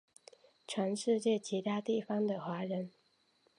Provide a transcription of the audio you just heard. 全世界其他地方的华人